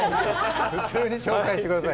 普通に紹介してください。